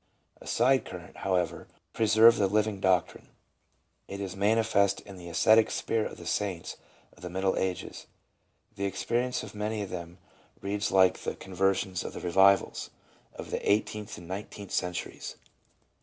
A side current, however, preserved the living doctrine. It is manifest in the ascetic spirit of the saints of the Middle Ages ; the experience of many of them reads like the con versions of the revivals of the eighteenth and nineteenth cen turies.